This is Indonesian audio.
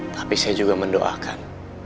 tapi saya juga mendoakan